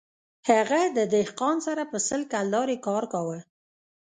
هغه د دهقان سره په سل کلدارې کار کاوه